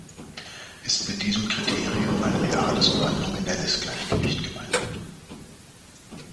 Ist mit diesem Kriterium ein reales oder ein nominelles Gleichgewicht gemeint?